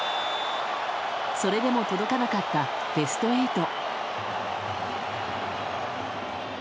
それでも届かなかったベスト８。